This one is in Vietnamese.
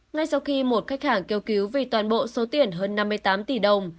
ngay sau khi một khách hàng kêu cứu vì toàn bộ số tiền hơn năm mươi tám tỷ đồng